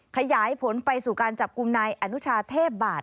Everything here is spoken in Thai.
ขยายผลไปสู่การจับกลุ่มนายอนุชาเทพบาท